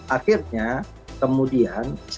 akhirnya kemudian disayangkan